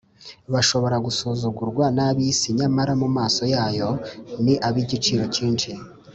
bashobora gusuzugurwa n’ab’isi, nyamara mu maso yayo ni ab’igiciro cyinshi